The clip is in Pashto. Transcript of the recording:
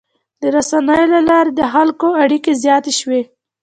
د رسنیو له لارې د خلکو اړیکې زیاتې شوي.